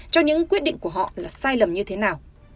cho những quyết định của họ là sai lầm như thế nào